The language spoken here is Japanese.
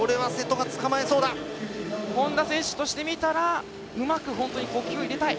本多選手としてみたらうまく呼吸を入れたい。